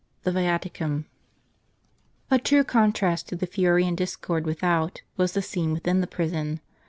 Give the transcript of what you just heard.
THE VIATICUM. TEUE contrast to the fuiy and discord without, was the scene within the prison.